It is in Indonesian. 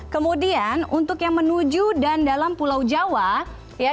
kemudian untuk yang menuju dan dalam pulau jawa ya